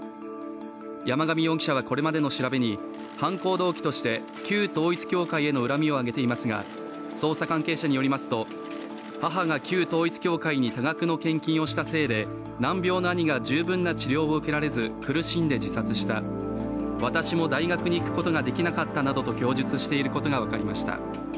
山上容疑者はこれまでの調べに犯行動機として旧統一教会への恨みを上げていますが、捜査関係者によりますと母が旧統一教会に多額の献金をしたせいで難病の兄が十分な治療を受けられず苦しんで自殺した私も大学に行くことができなかったなどと供述していることが分かりました。